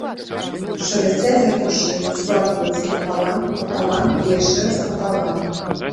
Шалясцяць аркушы, складваюцца папалам, папалам і яшчэ раз папалам.